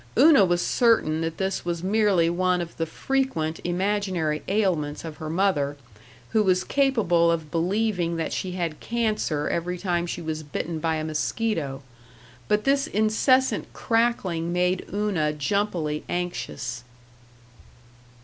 Una was certain that this was merely one of the frequent imaginary ailments of her mother, who was capable of believing that she had cancer every time she was bitten by a mosquito. But this incessant crackling made Una jumpily anxious.